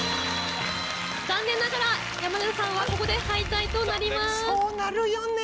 残念ながら山寺さんはここで敗退となります。